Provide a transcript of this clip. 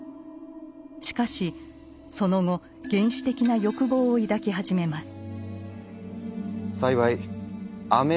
しかしその後原始的な欲望を抱き始めます。